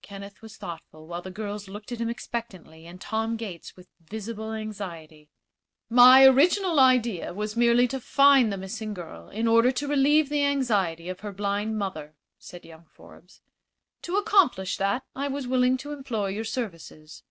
Kenneth was thoughtful, while the girls looked at him expectantly and Tom Gates with visible anxiety. "My original idea was merely to find the missing girl in order to relieve the anxiety of her blind mother," said young Forbes. "To accomplish that I was willing to employ your services.